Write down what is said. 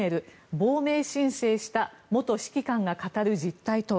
亡命申請した元指揮官が語る実態とは。